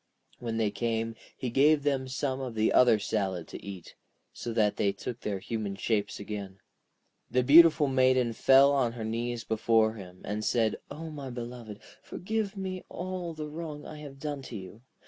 When they came he gave them some of the other salad to eat, so that they took their human shapes again. The beautiful Maiden fell on her knees before him, and said: 'O my beloved, forgive me all the wrong I have done you.